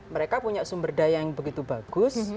mereka punya sumber daya yang begitu bagus